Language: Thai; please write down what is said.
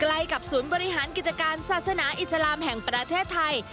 กับศูนย์บริหารกิจการศาสนาอิสลามแห่งประเทศไทย